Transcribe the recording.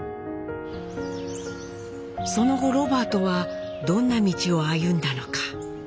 その後ロバートはどんな道を歩んだのか。